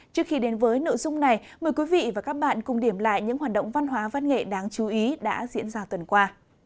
trước khi đến với nội dung này mời quý vị và các bạn cùng điểm lại những hoạt động văn hóa văn nghệ đáng chú ý đã diễn ra tuần qua